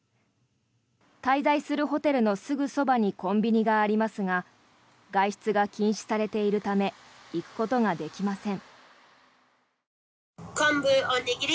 滞在するホテルのすぐそばにコンビニがありますが外出が禁止されているため行くことができません。